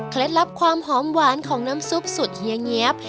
ลับความหอมหวานของน้ำซุปสูตรเฮียเงี๊ยบ